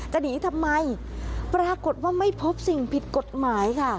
จะหนีทำไมปรากฏว่าไม่พบสิ่งผิดกฎหมายค่ะ